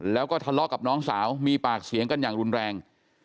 แล้วก็ทะเลาะกับน้องสาวมีปากเสียงกันอย่างรุนแรง